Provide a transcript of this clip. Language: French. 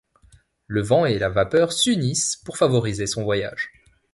Le vent et la vapeur s’unissaient pour favoriser son voyage.